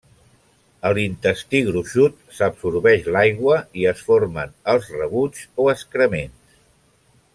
A l'intestí gruixut s'absorbeix l'aigua i es formen els rebuigs o excrements.